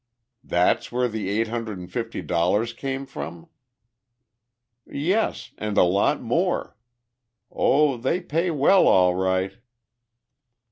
"That's where the eight hundred and fifty dollars came from?" "Yes, and a lot more. Oh, they pay well, all right!"